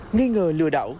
nghi ngờ lừa đảo